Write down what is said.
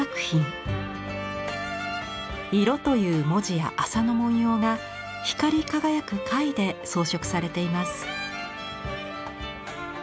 「色」という文字や麻の文様が光り輝く貝で装飾されています。